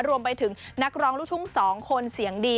รวมไปถึงนักร้องลูกทุ่ง๒คนเสียงดี